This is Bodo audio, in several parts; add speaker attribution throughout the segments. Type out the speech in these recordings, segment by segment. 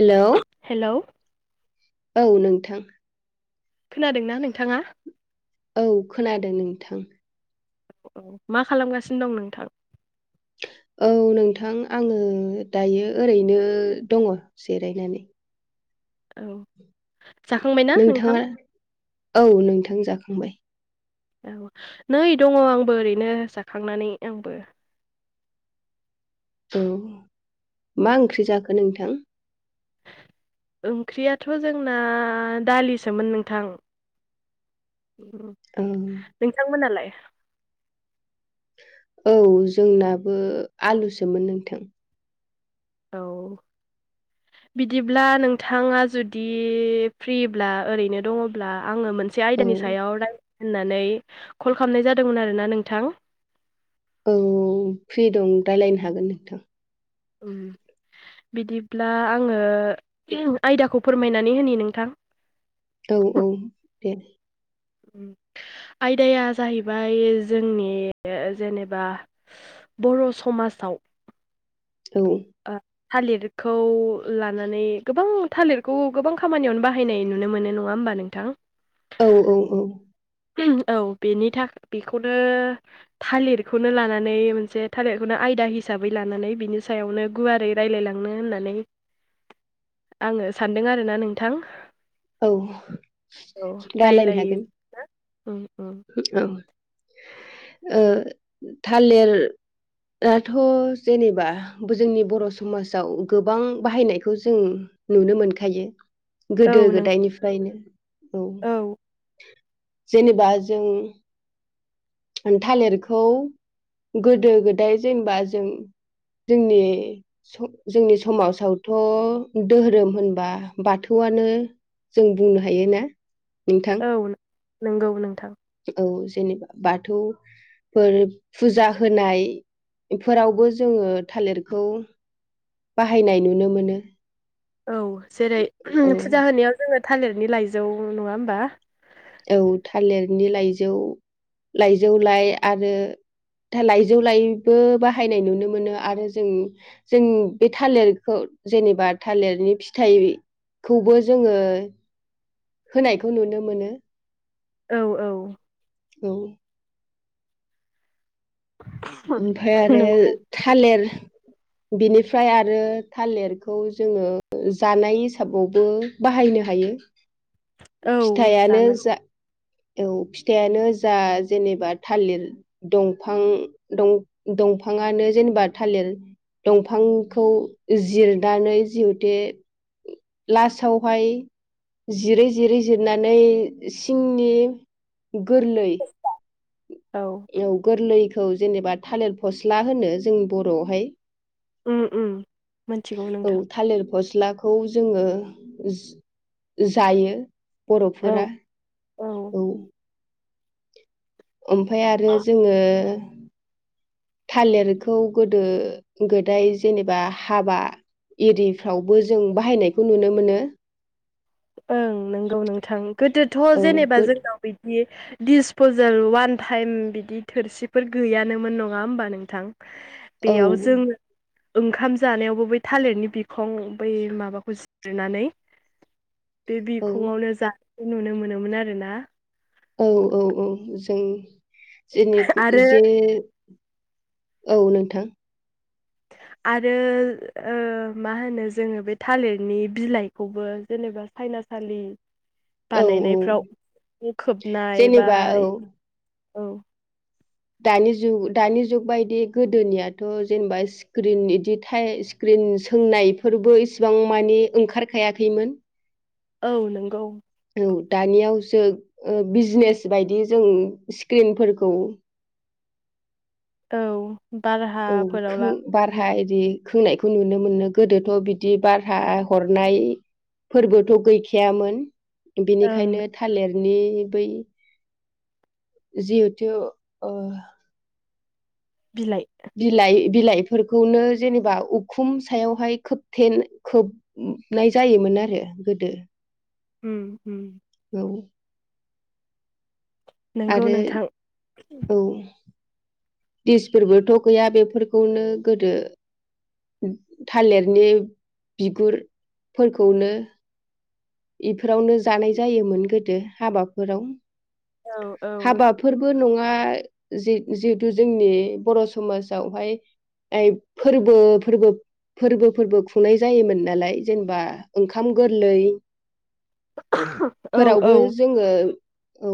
Speaker 1: हेलौ।
Speaker 2: हेल'।
Speaker 1: औ नोंथां।
Speaker 2: खोनादोंना नोंथांङा
Speaker 1: औ खोनादों नोंथां
Speaker 2: औ मा खालामगासिन दं नोंथां
Speaker 1: औ नोंथां आङो दायो ओरैनो दङ जिरायनानै।
Speaker 2: औ जाखांबायना नोंथां
Speaker 1: नोंथाङा औ नोंथां जाखांबाय।
Speaker 2: औ नै दंङ आंबो ओरैनो जाखांनानै आंबो
Speaker 1: औ मा ओंख्रि जाखो नोंथां।
Speaker 2: ओंख्रियाथ' जोंना दालिसोमोन नोंथां।
Speaker 1: ओं
Speaker 2: नोंथांमोनालाय
Speaker 1: औ जोंनाबो आलुसोमोन नोंथां
Speaker 2: औ। बिदिब्ला नोंथाङा जुदि फ्रिब्ला ओरैनो दङ ब्ला आंङो मोनसे
Speaker 1: औ
Speaker 2: आयदानि सायाव रायलाय होननानै कल खालामनाय जादोंमोन आरोना नोंथां।
Speaker 1: औ फ्रि दं रायज्लायनो हागोन नोंथां।
Speaker 2: उम बिदिब्ला आंङो आयदाखौ फोरमायनानै होनि नोंथां।
Speaker 1: औ औ दे।
Speaker 2: आयदाया जाहैबाय जोंनि जेनेबा बर' समाजाव
Speaker 1: औ।
Speaker 2: ओ थालिरखौ लानानै गोबां थालिरखौ गोबां खामानियावनो बाहायनाय नुनो मोनो नङा बा होमबा नोंथां।
Speaker 1: औ औ औ।
Speaker 2: औ बेनि थाख बेखौनो थालिरखौनो लानानै मोनसे थालिरखौनो आयदा हिसाबै लानानै बिनि सायावनो गुवारै रायलायलांनो होननानै आंङो सानदों आरोना नोंथां।
Speaker 1: औ रालायनो हागोन।
Speaker 2: औ औ।
Speaker 1: ओ थालिर दाथ' जेनेबा बो जोंनि बर' समाजाव गोबां बाहायनायखौ जों नुनो मोनखायो।
Speaker 2: औ
Speaker 1: गोदो
Speaker 2: नों
Speaker 1: गोदायनिफ्रायनो औ जेनेबा जों थालिरखौ गोदो - गोदाय जेनेबा जों जोंनि से जोंनि समाजावथ' धोरोम होनबा बाथौआनो जों बुंनो हायो ना नोंथां।
Speaker 2: ओ नंगौ नोंथां
Speaker 1: औ जेनेबा बाथौ फोर फुजा होनायफोरावबो जोङो थालिरखौ बाहायनाय नुनो मोनो।
Speaker 2: औ जेरै
Speaker 1: औ
Speaker 2: फुजा होनायाव जोंङो थालिरनि लाइजौ नंङा होमबा
Speaker 1: औ थालिरनि लाइजौ लाइजौ लाइ आरो दालाइजौ लायबो बाहायनाय नुनो मोनो आरो जों जों बे थालिरखौ जेनेबा थालिरनि फिथाइ खौबो जोङो होनायखौ नुनो मोनो।
Speaker 2: औ औ
Speaker 1: औ ओमफाय आरो
Speaker 2: नंगौ
Speaker 1: थालेर बिनिफ्राय आरो थालिरखौ जोङो जानाय हिसाबावबो बाहायनो हायो।
Speaker 2: औ
Speaker 1: फिथायानो
Speaker 2: जानाय
Speaker 1: जा औ फिथाइानो जा जेनेबा थालिर दंफां दं-दंफाङानो जेनेबा थालिर दंफांखौ जिरनानै जिहुथे लासावहाय जिरै जिरै जिरनानै सिंनि गोरलै
Speaker 2: औ
Speaker 1: एव गोरलैखौ जेनेबा थालिर फस्ला होनो जोंनि बर'आवहाय
Speaker 2: उम उम मोनथिगौ
Speaker 1: औ
Speaker 2: नोंथां
Speaker 1: थालिर फसला खौ जोङो जायो
Speaker 2: औ
Speaker 1: बर'फोरा औ ओमफाय आरो जोंङो थालिरखौ गोदो गोदाय जेनेबा हाबा एरिफ्रावबो जों बाहायनायखौ नुनो मोनो।
Speaker 2: ओं नंगौ नोंथां गोदोथ'
Speaker 1: औ
Speaker 2: जेनेबा
Speaker 1: गो
Speaker 2: जोंनाव बिदि दिसपजेल वान टाइम बिदि थोरसिफोर गैयानोमोन नंङा होमबा नोंथां
Speaker 1: औ
Speaker 2: बेयाव जोङो ओंखाम जानायावबो बै थालिरनि बिखं बै माबाखौ जिरनानै बे
Speaker 1: औ
Speaker 2: बिखंङावनो जानाय नुनो मोनोमोन आरोना
Speaker 1: औ औ औ जों जोंनि
Speaker 2: आरो
Speaker 1: जे औ नोंथां
Speaker 2: आरो ओ मा होनो जोङो बे थालिरनि बिलाइ खौबो जेनेबा सायनासालि
Speaker 1: औ औ
Speaker 2: बानायनायफ्राव खोबनाय बा
Speaker 1: जेनेबा औ
Speaker 2: औ
Speaker 1: दानि जुग दानि जुग बायदि गोदोनियाथ' जेनेबा सि स्क्रिन बिदि थ स्क्रिन सोंनायफोरबो इसिबां मानि ओंखारखायाखैमोन
Speaker 2: औ नंगौ
Speaker 1: औ दानियावसो ओ बिजिनेस बायदि जों स्क्रिनफोरखौ
Speaker 2: औ बाराहा
Speaker 1: औ खों बारहा इदि खोंनायखौ नुनो मोनो गोदोथ' बिदि बारा हरनाय फोरबोथ' गैखायामोन
Speaker 2: ओं
Speaker 1: बिनिखायनो थालेरनि बै जिहेतु ओ
Speaker 2: बिलाइ
Speaker 1: बिलाइ बिलाइफोरखौनो जेनेबा उखुम सायावहाय खोबथेन खोब नाय जायोमोन आरो गोदो।
Speaker 2: उम उम
Speaker 1: औ
Speaker 2: नंगौ
Speaker 1: आरो
Speaker 2: नोंथां
Speaker 1: औ गेसफोरबोथ' गैया बेफोरखौनो गोदो थालेरनि बिगुरफोरखौनो इफोरावनो जानाय जायोमोन गोदो हाबाफोराव
Speaker 2: औ औ
Speaker 1: हाबा फोरबो नङा जिहेतु जोंनि बर' समाजावहाय फोरबो फोरबो फोर्बो फोरबो खुंनाय जायोमोन नालाय जेनेबा ओंखाम गोरलै
Speaker 2: [unintelligible]
Speaker 1: फोरावबो
Speaker 2: औ
Speaker 1: जोङो औ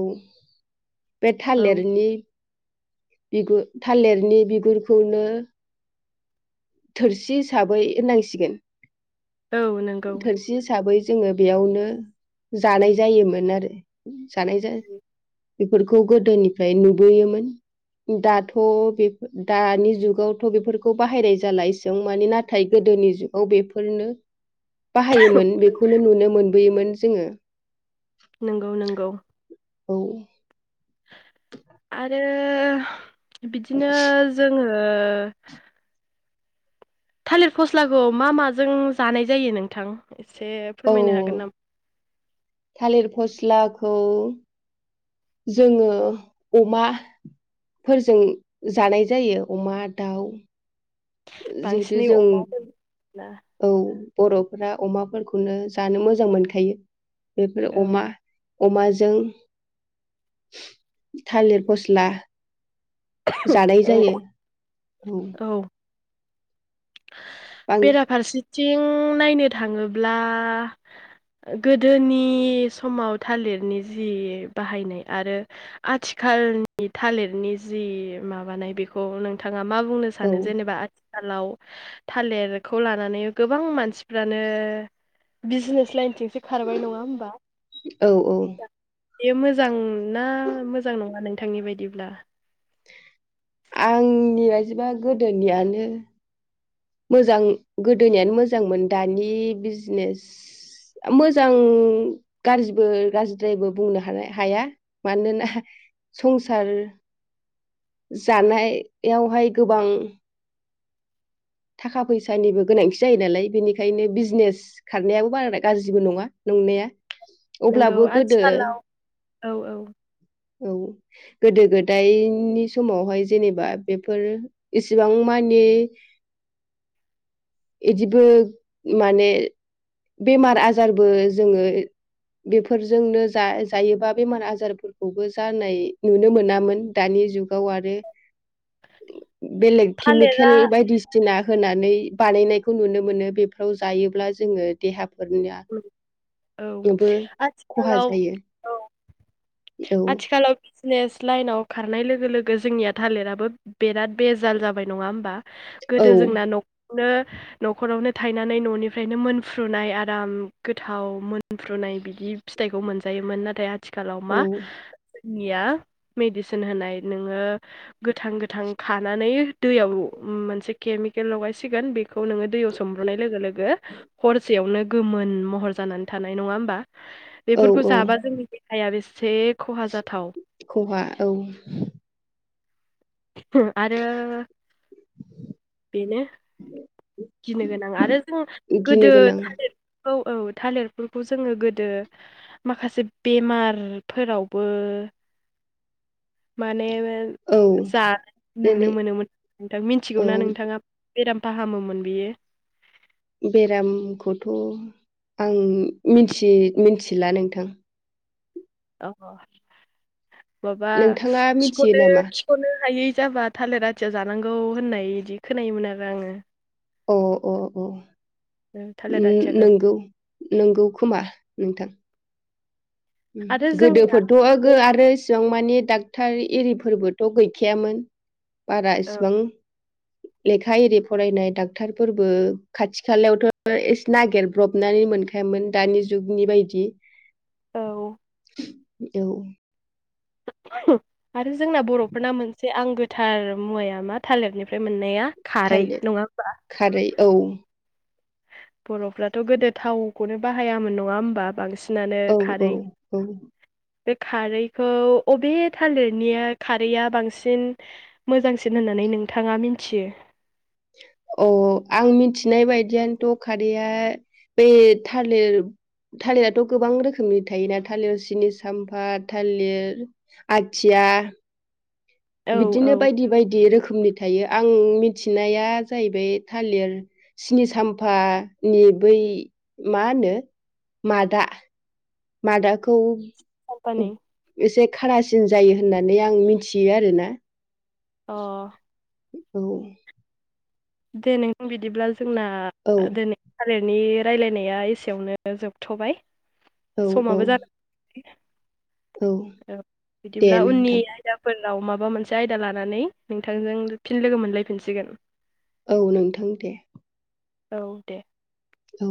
Speaker 1: बे
Speaker 2: औ
Speaker 1: थालेरनि बिगुर थालेरनि बिगुरखौनो थोरसि हिसाबै होननांसिगोन
Speaker 2: औ नोंगौ
Speaker 1: बि हिसाबै जोङो बेयावनो जानाय जायोमोन आरो। जानाय जा बिफोरखौ गोदोनिफ्राय नुबोयोमोन दाथ' बेफो दानि जुगावथ' बेफोरखौ बाहायनाय दालायजों माने नाथाय गोदोनि जुगाव बेफोरनो बाहायोमोन बे बेखौनो नुनो मोनबोयोमोन जोङो
Speaker 2: नोंगौ नोंगौ
Speaker 1: औ
Speaker 2: आरो बिदिनो जोङो थालिर फस्लाखौ मा माजों जानाय जायो नोंथां एसे
Speaker 1: औ
Speaker 2: फोरमायनो हागोन नामा?
Speaker 1: थालिर फस्लाखौ जोङो अमा फोरजों जानाय जायो अमा दाउ जिहेथु
Speaker 2: बांसिनै
Speaker 1: जों
Speaker 2: अमा दोनोब्ला
Speaker 1: औ बर'फोरा अमाफोरखौनो जानो मोजां मोनखायो बेफोर
Speaker 2: औ
Speaker 1: अमा अमाजों थालिर फस्ला जानाय जायो
Speaker 2: औ
Speaker 1: औ। बां
Speaker 2: बेराफारसेथिं नायनो थाङोब्ला गोदोनि समाव थालिरनि जि बाहायनाय आरो आथिखालनि थालिरनि जि माबानाय बेखौ नोंथाङा मा बुंनो
Speaker 1: औ
Speaker 2: सानो जेनेबा आथिखालाव थालेरखौ लानानै गोबां मानसिफ्रानो बिजनेस लाइनथिंसो खारबाय नङा होमबा
Speaker 1: औ औ
Speaker 2: बेयो मोजां ना मोजां नङा नोंथांनि बायदिब्ला?
Speaker 1: आंनि बायदिबा गोदोनियानो मोजां गोदोनियानो मोजांमोन दानि बिजनेस मोजां गाज्रिबो गाज्रिद्रायबो बुंनो हानो हाया मानोना संसार जानाय यावहाय गोबां थाखा फैसानिबो गोनांथि जायो नालाय बेनिखायनो भिजनेस खारनायाबो बाराद्राय गाज्रिबो नङा नंनाया
Speaker 2: नोंगौ
Speaker 1: अब्लाबो गोदो
Speaker 2: आथिखालाव औ औ
Speaker 1: औ गोदो गोदायनि समावहाय जेनेबा बेफोर इसिबां मानि इदिबो माने बेमार आजारबो जोङो बेफोरजोंनो जा जायोबा बेमार आजारफोरखौबो जानाय नुनो मोनामोन दानि जुगाव आरो
Speaker 2: [inaudible]
Speaker 1: बेले केमिकेल
Speaker 2: थालिरा
Speaker 1: बायदिसिना होनानै बानायनायखौ नुनो मोनो बेफ्राव जायोब्ला जोङो देहाफोरनिया
Speaker 2: औ
Speaker 1: बो खहा
Speaker 2: आथिखालाव
Speaker 1: जायो
Speaker 2: औ
Speaker 1: औ
Speaker 2: आथिखालाव बिजनेस लाइनाव खारनाय लोगो लोगो जोंनिया थालिराबो बेराद बेजाल जाबाय नङा होमबा?
Speaker 1: औ
Speaker 2: गोदो जोंना न'क नो न'खरावनो थायनानै न'निफ्रायनो मोनफ्रुनाय आराम गोथाव मोन मोफ्रुनाय बिदि फिथाइखौ मोनजायोमोन नाथाय आथिखालाव
Speaker 1: औ
Speaker 2: मा निया मेडिसिन होनाय नोङो गोथां गोथां खानानै दैयाव मोनसे केमिकेल लगायसिगोन बे खौ नोङो दैयाव सोमब्र'नाय लोगो लोगो हरसेयावनो गोमोन महर जानानै थानाय नङा होमबा?
Speaker 1: औ
Speaker 2: बेफोरखौ
Speaker 1: औ
Speaker 2: जाबा जोंनि देहाया बेसे खहा जाथाव
Speaker 1: खहा औ।
Speaker 2: होम आरो बेनो गिनो गोनां आरो जों
Speaker 1: गिनो
Speaker 2: गोदो
Speaker 1: गोनां
Speaker 2: थालिरफोरखौ औ थालिरफोरखौ जोङो गोदो माखासे बेमार फोरावबो माने
Speaker 1: औ
Speaker 2: जा
Speaker 1: दिनै
Speaker 2: नुनो मोनोमोन नोंथां
Speaker 1: औ
Speaker 2: मिथिगौना नोंथाङा बेराम फाहामोमोन बियो
Speaker 1: बेरामखौथ' आं मिथि-मिथिला नोंथां
Speaker 2: अ माबा
Speaker 1: नोंथाङा मिथियो
Speaker 2: खिख'नो
Speaker 1: नामा
Speaker 2: खनो हायै जाबा थालिर आथिया जानांगौ होननाय बिदि खोनायोमोन आरो आङो
Speaker 1: अ अ अ
Speaker 2: ओ, थालिर आथियाखौ
Speaker 1: नंगौ नंगौ खोमा नोंथां
Speaker 2: आरो जोंना
Speaker 1: गोदोफोरथ' ओगो आरोस जों माने डाक्टर एरिफोरबोथ' गैखायामोन बारा
Speaker 2: औ
Speaker 1: एसिबां
Speaker 2: [inaudible]
Speaker 1: लेखा एरि फरायनाय डाक्टरफोरबो खाथि खालायावथ' एसे नागिरब्रबनानै मोनखाया हायामोन दानि जुगनि बायदि
Speaker 2: औ
Speaker 1: औ
Speaker 2: [unintelligible] आरो जोंना बर'फोरना मोनस बेे आंगोथार मुवाया मा थालिरनिफ्राय मोननाया खारै
Speaker 1: थालिर
Speaker 2: नङा होम्बा
Speaker 1: खारै औ
Speaker 2: बर'फ्राथ' गोदो थावखौनो बाहायामोन नङा होमबा बांसिन होनानो
Speaker 1: औ औ
Speaker 2: खारै
Speaker 1: औ
Speaker 2: बे खारैखौ अबे थालिरनिया खारैया बांसिन मोजांसिन होननानै नोंथाङा मिथियो।
Speaker 1: अ आं मिथिनाय बायदियानोथ' खारदैया बे थालिर थालिराथ' गोबां रोखोमनि थायोना थालिर सिनि साम्फा थालिर आथिया
Speaker 2: औ औ
Speaker 1: बिदिनो बायदि बायदि रोखोमनि थायो आं मिथिनाया जाहैबाय थालिर सिनि साम्फानि बै मा होनो मादा मादाखौ
Speaker 2: कम्पानि
Speaker 1: एसे खारासिन जायो होननानै आं मिथियो आरोना
Speaker 2: अ
Speaker 1: औ
Speaker 2: दे नोंथां बिदिब्ला जोंना
Speaker 1: औ
Speaker 2: दोनै थालिरनि राय्लायनाया एसेयावनो जोबथ'बाय
Speaker 1: औ औ
Speaker 2: समाबो जाद औ
Speaker 1: दे
Speaker 2: बिदिब्ला
Speaker 1: नोंथां
Speaker 2: उननिया उनफोराव माबा मोनसे आयदा लानानै नोंथांजों फिन लोगो मोनलायफिनसिगोन
Speaker 1: औ नोंथां दे
Speaker 2: औ दे
Speaker 1: औ